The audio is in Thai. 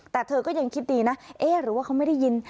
แต่เธอก็ยังคิดดีนะเอ๊ะหรือว่าเขาไม่ได้ยิน